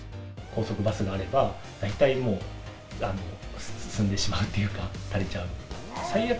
高速バスがあれば、大体もう済んでしまうっていうか、足りちゃう。